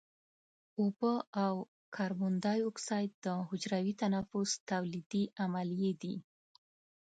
اوبه او کاربن دای اکساید د حجروي تنفس تولیدي عملیې دي.